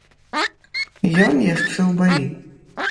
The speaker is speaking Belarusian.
Ён яшчэ ў баі.